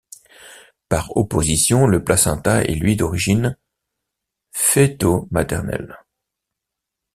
Par opposition, le placenta est lui d'origine fœto-maternelle.